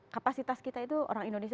kapasitas kita itu orang indonesia